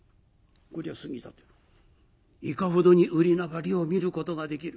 「こりゃ杉立いかほどに売り上がりを見ることができる？」。